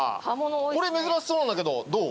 これ珍しそうなんだけどどう？